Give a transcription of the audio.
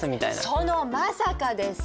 そのまさかです。